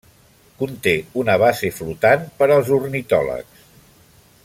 Conté una base flotant per als ornitòlegs.